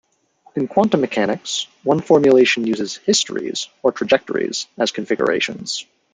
In quantum mechanics one formulation uses "histories", or trajectories, as configurations.